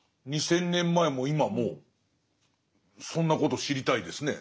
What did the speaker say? ２，０００年前も今もそんなこと知りたいですね。